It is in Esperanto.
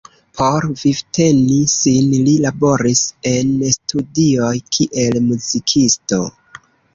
Por vivteni sin li laboris en studioj kiel muzikisto.